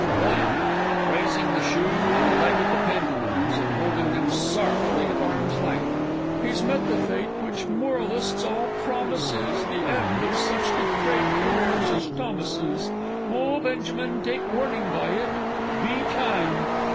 _ Wm. (raising the shoe and the leg of pantaloons, and holding them sorrowfully at arm's length). He's met the fate which moralists all promise is The end of such depraved careers as Thomas's! Oh, Benjamin, take warning by it be time!